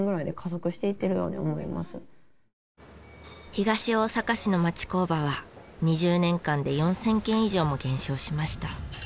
東大阪市の町工場は２０年間で４０００軒以上も減少しました。